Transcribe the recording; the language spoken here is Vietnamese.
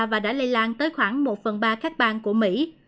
và đã lây lan tới khoảng một phần ba các bang của mỹ